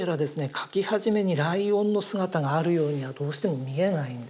描き始めにライオンの姿があるようにはどうしても見えないんですね。